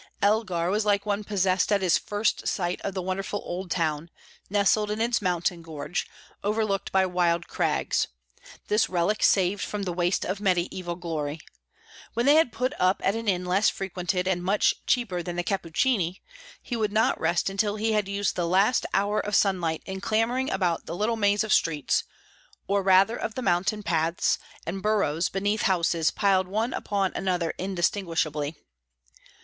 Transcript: Elgar was like one possessed at his first sight of the wonderful old town, nested in its mountain gorge, overlooked by wild crags; this relic saved from the waste of mediaeval glory. When they had put up at an inn less frequented and much cheaper than the "Cappuccini," he would not rest until he had used the last hour of sunlight in clambering about the little maze of streets, or rather of mountain paths and burrows beneath houses piled one upon another indistinguishably.